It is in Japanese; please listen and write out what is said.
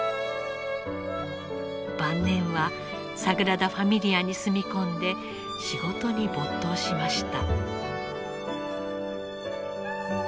晩年はサグラダ・ファミリアに住み込んで仕事に没頭しました。